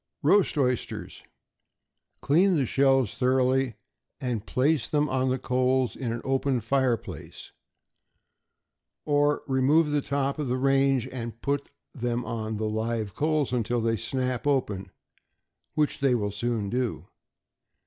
=Roast Oysters.= Clean the shells thoroughly, and place them on the coals in an open fire place, or remove the top of range, and put them on the live coals, until they snap open, which they will soon do.